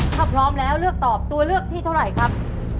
ถ้าพร้อมแล้วเลือกตอบตัวเลือกที่เท่าไหร่ครับ